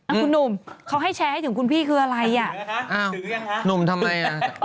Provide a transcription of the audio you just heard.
คุณหนุ่มเขาให้แชร์ถึงคุณพี่คืออะไร